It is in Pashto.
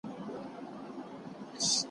درواغ ویل ماشومانو ته مه ور زده کوئ.